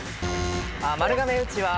丸亀うちわ